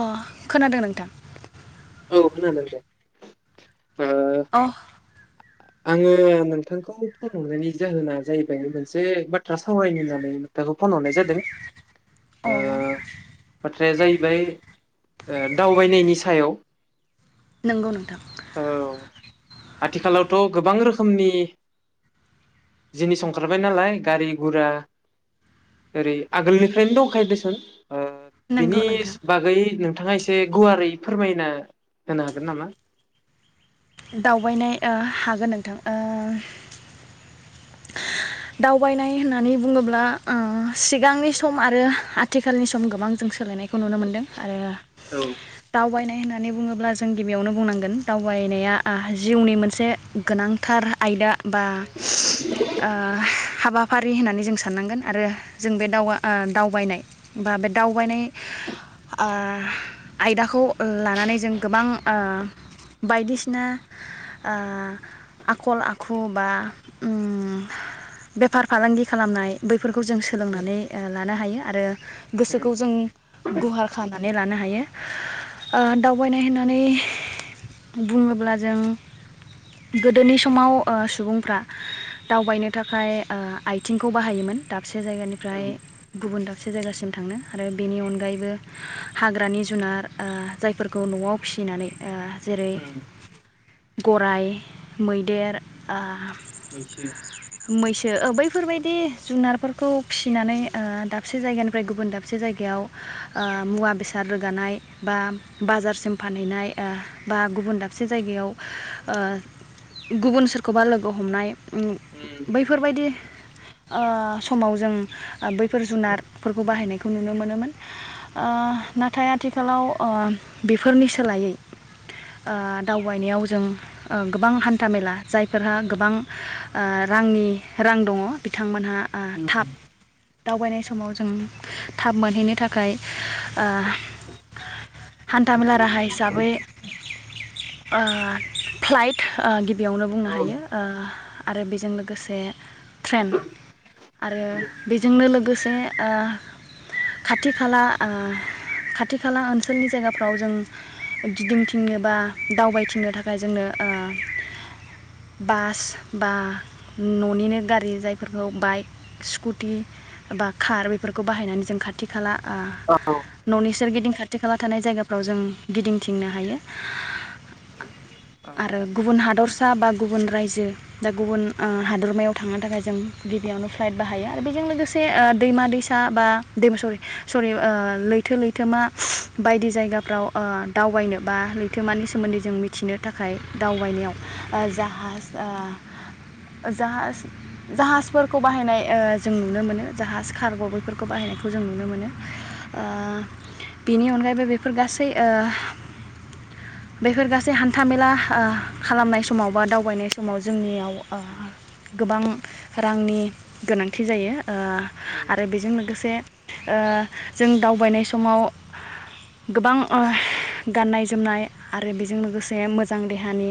अ खोनादों नोंथां औ खोनादों दे ओ अ आङो नोंथांखौ फन हरनायनि जाहोना जाहैबाय मोनसे बाथ्रा सावरायनो होननानै नोंथांखौ फन हरनाय जादों अ ओ बाथ्राया जाहैबाय ओ दावबायनायनि सायाव नंगौ नोंथां औ आथिखालावथ' गोबां रोखोमनि जिनिस ओंखारबाय नालाय गारि गुरा ओरै आगोलनिफ्रायनो दंखायो दिसोन ओ नंगौ बिनि नोंथां बागै नोंथाङा ए से गुवारै फोरमायना होनो हागोन नामा दावबायनाय ओ हागोन नोंथां ओ दावबायनाय होननानै बुङोब्ला ओ सिगांनि सम आरो आ आथिखालनि सम गोबां जों सोलायनायखौ नुनो मोनदों आरो औ दावबायनाय होननानै बुङोब्ला जों गिबियावनो बुंनांगोन दावबायनाया ओ जिउनि मोनसे गोनांथार आयदा बा ओ हाबाफारि होननानै जों साननांगोन आरो जों बे दाव ओ दावबायनाय बा बे दावबायनाय ओ आयदाखौ लानानै जों गोबां ओ बायदिसिना ओ आखल आखु बा उम उ बेफार फालांगि खालामनाय बै फोरखौ जों सोलोंनानै ओ लानो हायो आरो उम गोसोखौ जों गुहार खालामना लानो हायो ओ दावबायनाय होननानै बुङोब्ला जों गोदोनि समाव ओ सुबुंफ्रा दावबायनो थाखाय ओ आइथिंखौ बाहायोमोन दा दाबसे औ जायगानिफ्राय गुबुन दाब दाबसे जायगासिम थांनो आरो बेनि अनगायैबो हाग्रानि जुनार ओ जायफोरखौ न'आव फिसिनानै ओ जेरै उम गराय मैदेर ओ बैसो मैसो ओ बैफोरबाय दि जुनारफोरखौ फिसिनानै ओ दाबसे जायगानिफ्राय गुबुन दाबसे जायगायाव ओ मुवा बेसाद रोगानाय बा बाजारसिम फानहैनाय ओ बा गुबुन दाबसे जायगायाव ओ गुबुन सोरखौबा लोगो हमनाय ओम उम बैफोरबायदि ओ समाव जों बैफोर जुनारफोरखौ बाहायनायखौ नुनो मोनोमोन ओ नाथाय आथिखालाव ओ बेफोरनि सोलायै ओ दावबायनायाव जों ओ गोबां हान्थामेला जायफोरहा गोबां ओ रांनि रां दङ बिथांमोनहा ओ उम थाब दावबायनाय समाव जों थाब मोनहैनो थाखाय ओह हान्थामेला राहा हिसाबै ओह फ्लाइट ओह बेयावनो बुंनो औ हायो ओह आरो बेजों लोगोसे ट्रेन आरो बेजोंनो लोगोसे ओह खाथि खाला ओह खाथि खाला ओनसोलनि जायगाफ्राव जों गिदिंथिंनो बा दावबायथिंनो थाखाय जोंनो ओ बास बा न'निनो गारि जायफोरखौ बाइक स्कुटि बा कार बेफोरखौ बाहायनानै जों खाथि खाला आह औ न'नि सोरगिदिं खाथि खाला थानाय जायगाफ्राव जों गिदिं थिंनो हायो। औ आरो गुबुन हादर सा बा गुबुन रायजो दा गुबुन हादरमायाव थांनो थाखाय जों गिबियावनो फ्लाइट बाहायो आरो बेजों लोगोसे दैमा दैसा बा दैमा सरि सरि लैथो लैथोमा बायदि जायगाफ्राव ओ दावबायनो बा लैथोमानि सोमोन्दै जों मिथिनो थाखाय दावबायनायाव जाहाज आ जाहाज जाहाजफोरखौ बाहायनाय जों नुनो मोनो जाहाज कार्ग' बैफोरखौ बाहायनायखौ जों नुनो मोनो। ओह बेनि अनगायैबो बेफोर गासै ओह बेफोर गासै हान्थाामेला खालामनाय समाव बा दावबायनाय समाव जोंनियाव ओह उम। गोबां रांनि गोनांथि जायो। औ ओह आरो बेजों लोगोसे ओ जों दावबायनाय समाव गोबां ओह गाननाय जोमनाय आरो बेजों लोगोसे मोजां देहानि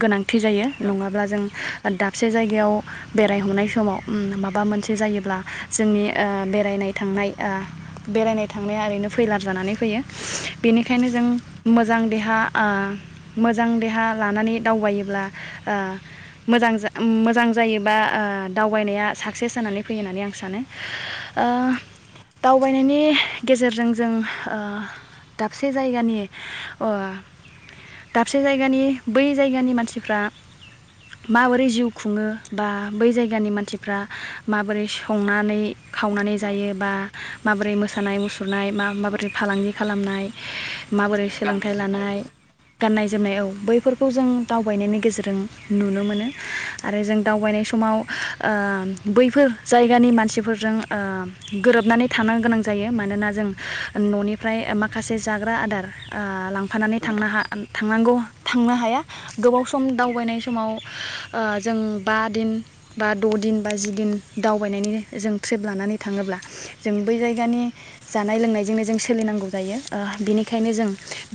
गोनांथि। थि जायो नङाब्ला जों जागोन दाबसे जायगायाव बेरायहरनाय समाव माबा मोनसे जायोब्ला जोंनि ओ बेरायनाय थांनाय ओह बेरायनाय थांनाया ओरैनो फैलार जानानै फैयो बेनिखायनो जों मोजां देहा आ मोजां देहा लानानै दावबायोब्ला आ मोजां मोजां जायोबा दावबायनाया साक्सेस जानानै फैयो होननानै आं सानो। ओह दावबायनायनि गेजेरजों जों ओह दाबसे जायगानि दाबसे जायगानि बै जायगानि मानसिफ्रा माबोरै जिउ खुङो बा बै जायगानि मानसिफ्रा माबोरै संनानै खावनानै औ जायो बा माबोरै मोसानाय मुसुरनाय मा औ माबोरै फालांगि खालामनाय? आरो माबोरै गाननाय सोलोंथाइ जोमनाय लानाय गाननाय जोमनायाव बैफोरखौ जों दावबायनायनि गेजेरजों नुनो मोनो आरो जों दावबायनाय समाव आह बैफोर जायगानि मानसिफोरजों आ गोरोबनानै थानो गोनां जायो मानोना जों न'निफ्राय माखासे जाग्रा आदार आह लां फानानै औ थांनो हा थांनांगौ थांनो हाया गोबाव सम दावबायनाय समाव ओ जों बा दिन बा द' दिन बा जिदिन दावबायनायनि जों ट्रिप लानानै थाङोब्ला जों बै जायगानि जानाय लोंनायजोंनो जों सोलिनांगौ जायो ओह बिनिखायनो जों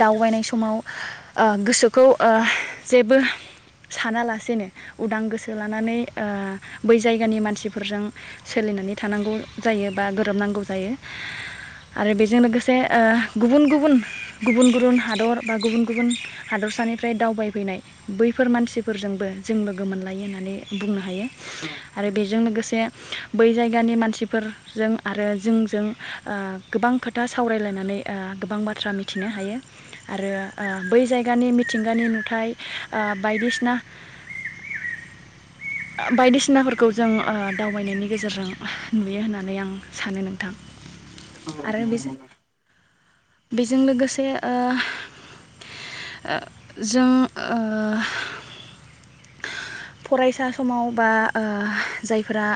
दावबायनाय समाव ओ गोसोखौ आह जेबो सानालासेनो उदां गोसो लानानै ओ बै जायगानि मानसिफोरजों सोलिनानै थानांगौ जायो बा गोरोबनांगौ जायो आरो बेजों लोगोसे ओ गुबुन गुबुन गुबुन गुबुन हादर बा गुबुन गुबुन हादरसानिफ्राय दावबायफैनाय बै फोर मानसिफोरजोंबो जों लोगो मोनलायो होननानै बुंनो हायो। आरो बेजों लोगोसे बै जायगानि मानसिफोरजों आरो जोंजों आ गोबां खोथा सावरायलायनानै आ गोबां बाथ्रा मिथिनो हायो आरो बै जायगानि मिथिंगानि नुथाय आ बायदिसिना बायदिसिनाफोरखौ जों दावबायनायनि गेजेरजों नुयो होननानै आं सानो नोंथां। औ आरो नंगौ। बेजों बेजों लोगोसे ओ जों ओ फरायसा समाव बा ओह जायफोरा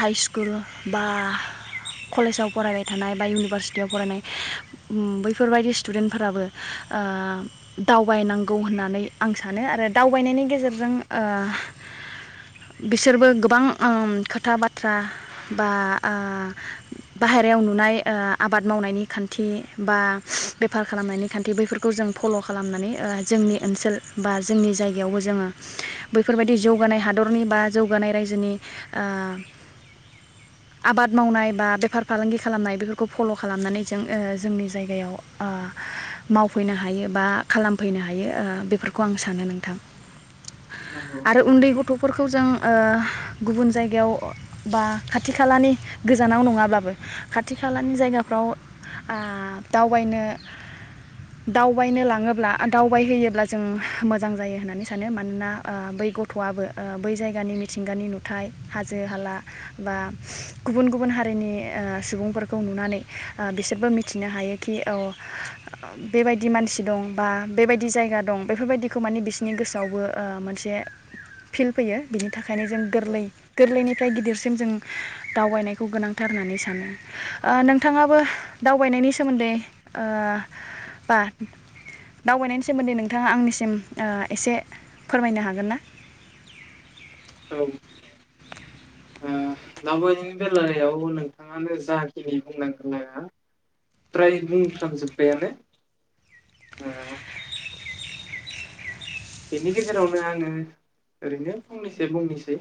हाइ स्कुल बा कलेजाव फरायबाय थानाय बा इउनिभारसिटियाव फरायनाय उम बैफोरबायदि स्टुडेन्टफोराबो आ दावबायनांगौ होननानै आं सानो आरो दावबायनायनि गेजेरजों ओह बिसोरबो गोबां उम खोथा बाथ्रा बा आह बाहेरायाव नुनाय ओ आबाद मावनायनि खान खान्थि बा बेफार खालामनायनि खान्थि बैफोरखौ जों फल' खालामनानै जोंनि ओनसोल बा जोंनि जायगायावबो जोङो बैफोरबायदि जौगानाय हादरनि बा जौगानाय रायजोनि आ आबाद मावनाय बा बेफार फालांगि खालामनाय बेफोरखौ फल' खालामनानै जों ओ जोंनि जायगायाव आ मावफैनो हायो बा खालामफैनो हायो ओ बेफोरखौ आं सानो नोंथां। नंगौ आरो नंगौ उन्दै गथ'फोरखौ जों ओ गुबुन जायगायाव बा खाथि खालानि गोजानाव नङाब्लाबो खाथि खालानि जायगाफ्राव। आ दावबायनो दावबायनो लाङोब्ला दावबायहोयोब्ला जों मोजां जायो होननानै सानो मानोना ओ बै गथ'आबो ओ बै जायगानि मिथिंगानि नुथाय हाजो हाला बा गुबुन गुबुन हारिनि‌ ओ सुबुंफोरखौ नुनानै आ बिसोरबो मिथिनो हायो कि औ बेबायदि मानसि दं बा बेबायदि जायगा दं बेफोरबायदिखौ मानि बिसोरनि गोसोआवबो ओ मोनसे फिल फैयो बिनि थाखायनो जों औ गोरलै गोरलैनिफ्राय गिदिरसिम जों दावबायनायखौ गोनांथार होननानै सानो ओ नोंथाङाबो? दावबायनायनि सोमोन्दै ओ बा दावबायनायनि सोमोन्दै नोंथाङा आंनिसिम ओ एसे फोरमायनो हागोन ना? औ ओ दावबायनायनि बेलायाव नोंथाङानो जाखिनि बुंनांगौ फ्राय बुंफ्रामजोब्बायानो ओ बेनि गेजेरावनो आङो ओरैनो फंनैसै बुंनोसै।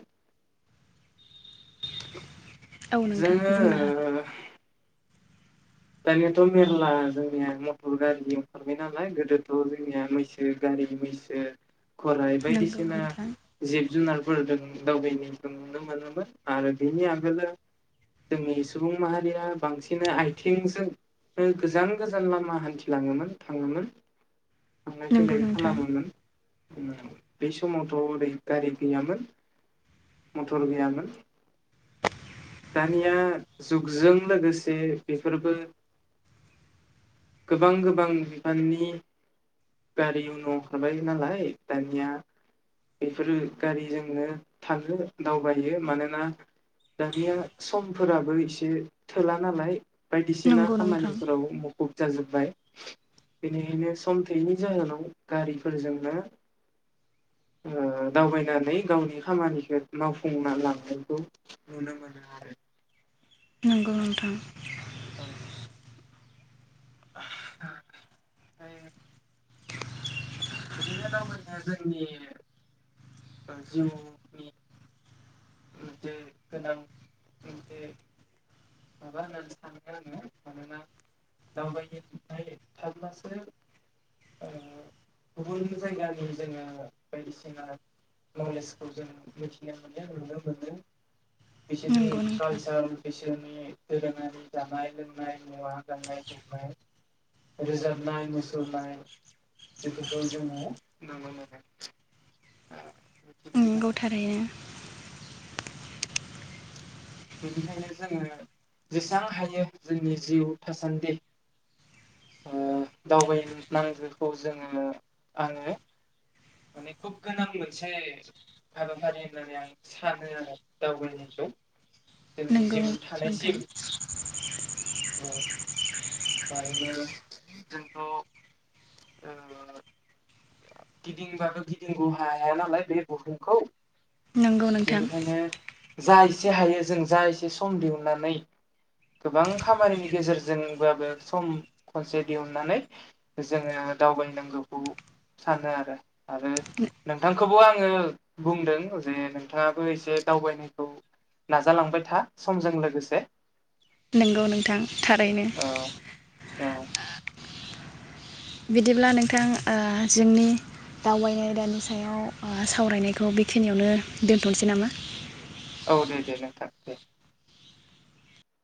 औ नोंथां जोङो बुंनो हागोन दानियाथ' मेरला जोंनिया मटर गारि ओंखारबाय नालाय गोदोथ' जोंनिया मैसो गारि मैसो गराइ नंगौ बायदिसिना नोंथां जि जुनारफोरदों दावबायनायखौ नुनो मोनोमोन आरो बेनि आगोल जोंनि सुबुं माहारिया बांसिन आइ थिंजों गोजान गोजान लामा हान्थिलाङोमोन थाङोमोन। थांलाय नंगौ फैलाय नोंथां खालामोमोन। ओम बै समावथ' ओरै गारि गैयामोन मटर गैयामोन। दानिया जुगजों लोगोसे बेफोरबो गोबां गोबां बिफाननि गारि उनु अंखारबाय नालाय दानिया बेफोरो गारिजोंनो थाङो दावबायो मानोना दानिया सम फोराबो एसे थोला नालाय बायदिसिना नंगौ नोंथां खामानिफोराव मुखुब जाजोबबाय बेनिखायनो सम थैनि जाहोनाव गारिफोरजोंनो ओ दावबायनानै गावनि खामानिखौ मावफुंना लांनायखौ नुनो मोनो आरो नोंगौ नोंथां। औ [inaudible] बिदिनो दावबाय नाया जोंनि जिउनि मोनसे गोनां मोनसे माबा होननानै सानो आङो मानोना दावबायनाय थाब्लासो गुबुन जायगानि जोङो बायदिसिना नलेजखौ जोङो मिथिनो मोनो नुनो मोनो। बिसोरनि नंगौ नोंथां कालसार बिसि दोरोङारि जानाय लोंनाय मुवा गान्नाय जोमनाय रोजाबनाय मुसुरनाय बेफोरखौ जोङो नुनोनो मोनो। मिथिनाय नोंगौ मोनो थारैनो बेनिखायनो जोङो जेसां हायो जोंनि जिउ थासान्दि ओ दावबायनांगौखौ जोङो आङो माने खुब गोनां मोनसे हाबाफारि होननानै आं सानो आरो दावबायनायखौ जोंनि नंगौ जिउ नोंथां थानायसिम। जोंथ' ओ गिदिंबाबो गिदिंगौ हाया हाया नालाय बे बुहुमखौ नंगौ नोंथां। बेनिखायनो जा एसे हायो जों जा एसे सम दिहुननानै गोबां खामानिनि गेजेरजोंबाबो सम खनसे दिहुननानै जोङो दावबायनांगौखौ सानो आरो आरो नोंथांखौबो आङो बुंदों जे नोंथाङाबो एसे दावबायनायखौ नाजालांबाय था समजों लोगोसे नंगौ नोंथां थारैनो औ औ बिदिब्ला नोंथां ओ जोंनि दावबायनाय दानि सायाव ओ सावरायनायखौ बेखिनियावनो दोनथ'सै नामा औ दे दे नोंथां दे